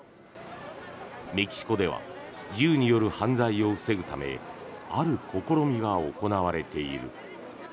メキシコでは銃による犯罪を防ぐためある試みが行われている。